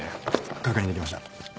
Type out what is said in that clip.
確認できました。